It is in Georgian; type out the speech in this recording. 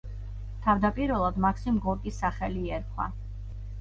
თავდაპირველად მაქსიმ გორკის სახელი ერქვა.